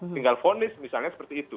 tinggal fonis misalnya seperti itu